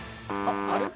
あれ？